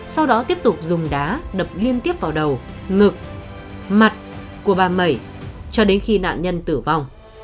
sau đó tiếp tục dùng đá đập liên tiếp vào đầu ngực mặt của bà mẩy cho đến khi nạn nhân tử vong